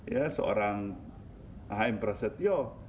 ya seorang aham prasetyo